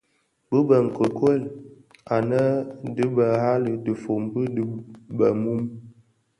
Bi bë nkikuel, anë a dhi bi ghali dhifombi di bëmun.